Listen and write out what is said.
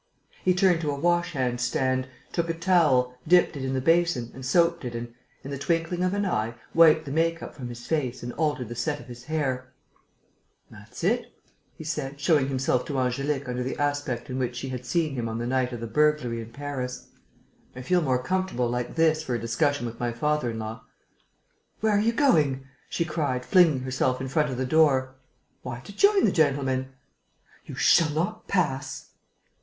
He turned to a wash hand stand, took a towel, dipped it in the basin and soaped it and, in the twinkling of an eye, wiped the make up from his face and altered the set of his hair: "That's it," he said, showing himself to Angélique under the aspect in which she had seen him on the night of the burglary in Paris. "I feel more comfortable like this for a discussion with my father in law." "Where are you going?" she cried, flinging herself in front of the door. "Why, to join the gentlemen." "You shall not pass!"